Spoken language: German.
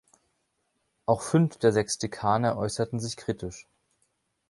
Auch fünf der sechs Dekane äußerten sich kritisch.